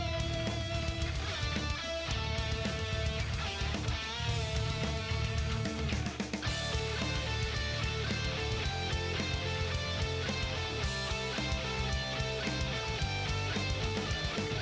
เรามีไฮไลท์มันในแรกที่ไม่มีช่อง